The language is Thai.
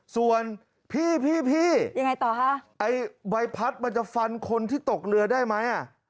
ส่วนพี่ยังไงต่อฮะไวพัดมันจะฟันคนที่ตกเรือได้ไหม